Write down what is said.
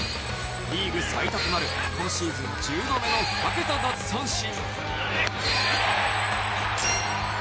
リーグ最多となる今シーズン１０度目の２桁奪三振。